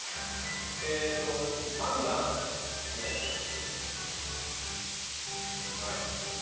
えーと３番お願いします。